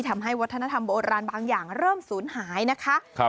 ทำให้วัฒนธรรมโบราณบางอย่างเริ่มศูนย์หายนะคะ